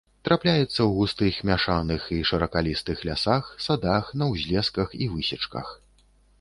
Трапляецца ў густых мяшаных і шыракалістых лясах, садах, на ўзлесках і высечках.